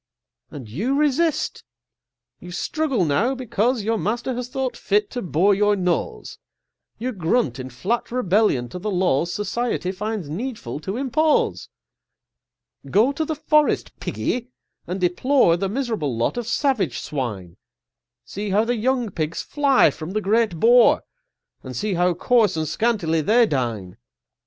And you resist! you struggle now because Your master has thought fit to bore your nose! You grunt in flat rebellion to the laws Society finds needful to impose! Go to the forest, Piggy, and deplore The miserable lot of savage Swine! See how the young Pigs fly from the great Boar, And see how coarse and scantily they dine!